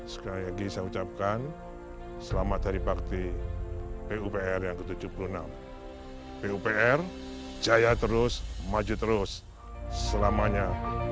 sekali lagi saya ucapkan selamat hari bakti pupr yang ke tujuh puluh enam pupr jaya terus maju terus selamanya